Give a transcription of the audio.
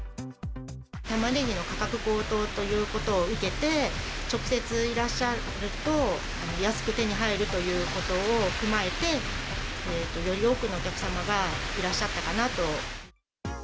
たまねぎの価格高騰ということを受けて、直接いらっしゃると、安く手に入るということを踏まえて、より多くのお客様がいらっしゃったかなと。